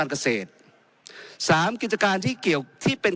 ๓กิจการที่เป็น